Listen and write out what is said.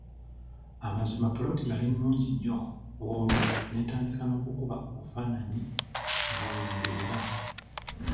Mazima ppoloti yali nnungi nnyo olwo ne ntandika n’okukuba obufaananyi nga we mbeera.